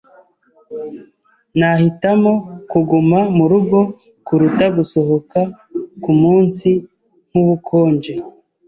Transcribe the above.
Nahitamo kuguma murugo kuruta gusohoka kumunsi nkubukonje.